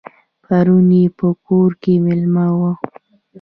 پرون یې په کور کې مېلمه وم.